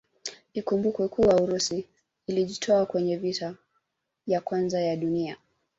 Ikumbukwe kuwa Urusi ilijitoa kwenye vita ya kwanza ya dunia